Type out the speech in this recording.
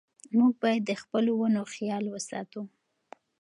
موږ باید د خپلو ونو خیال وساتو.